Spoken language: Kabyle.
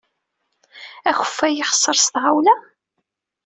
Akeffay ixeṣṣer s tɣawla?